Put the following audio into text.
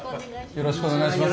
よろしくお願いします。